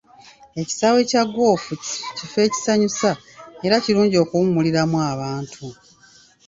Ekisaawe kya ggoofu kifo ekisanyusa era ekirungi okuwummuliramu abantu.